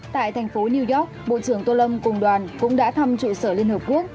tại thành phố new york bộ trưởng tô lâm cùng đoàn cũng đã thăm trụ sở liên hợp quốc